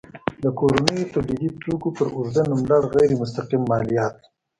د کورنیو تولیدي توکو پر اوږده نوملړ غیر مستقیم مالیات.